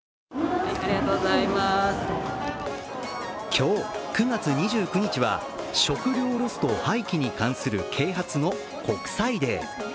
今日９月２９日は食料ロスと廃棄に関する啓発の国際デー。